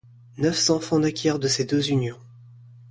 Neuf enfants naquirent de ses deux unions.